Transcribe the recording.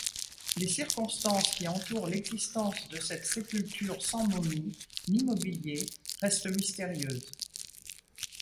Les circonstances qui entourent l'existence de cette sépulture sans momie ni mobilier restent mystérieuses.